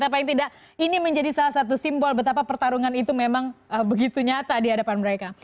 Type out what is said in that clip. tapi paling tidak ini menjadi salah satu simbol betapa pertarungan itu memang begitu nyata di hadapan mereka